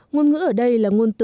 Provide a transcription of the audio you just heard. ngôn ngữ ở đây là ngôn từ